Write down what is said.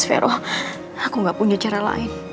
vero aku gak punya cara lain